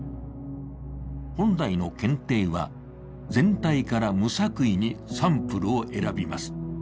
本来の検定は全体から無作為にサンプルを選びます。